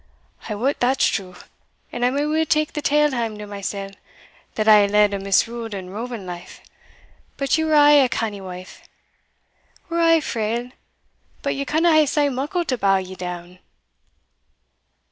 "I wot that's true; and I may weel tak the tale hame to mysell, that hae led a misruled and roving life. But ye were aye a canny wife. We're a' frail but ye canna hae sae muckle to bow ye down."